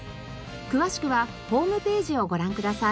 詳しくはホームページをご覧ください。